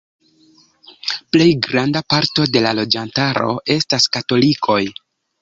Plej granda parto de la loĝantaro estas katolikoj.